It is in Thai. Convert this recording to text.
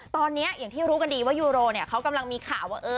ตอนนี้อย่างที่รู้กันดีว่ายูโรเขากำลังมีข่าวว่า